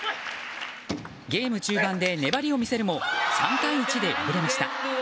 ゲーム中盤で粘りを見せるも３対１で敗れました。